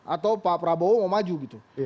atau pak prabowo mau maju gitu